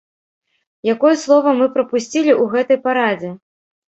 Якое слова мы прапусцілі ў гэтай парадзе?